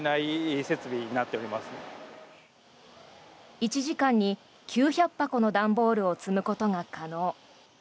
１時間に９００箱の段ボールを積むことが可能。